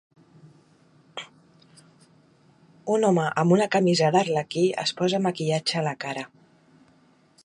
Un home amb una camisa d'arlequí es posa maquillatge a la cara.